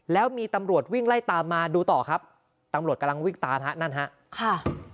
แล้วมีตำรวจวิ่งไล่ตามมาดูต่อครับตำรวจกำลังวิ่งตามฮะนั่นฮะค่ะ